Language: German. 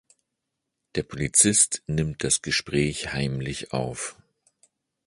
Der Polizist nimmt das Gespräch heimlich auf.